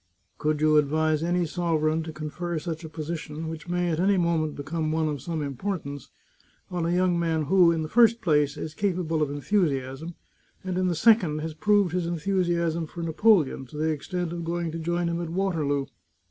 " Could you advise any sovereign to confer such a posi tion, which may at any moment become one of some im portance, on a young man who, in the first place, is capable of enthusiasm, and, in the second, has proved his enthusi asm for Napoleon to the extent of going to join him at Waterloo?